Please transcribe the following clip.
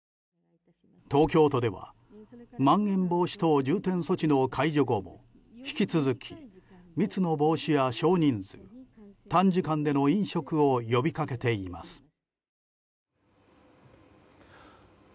東京都ではまん延防止等重点措置の解除後も引き続き密の防止や少人数短時間での飲食を呼びかけています。